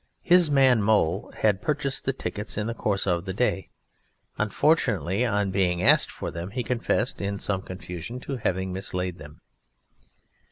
His man Mole had purchased the tickets in the course of the day; unfortunately, on being asked for them he confessed in some confusion to having mislaid them.